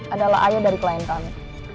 adalah ayah dari klien kami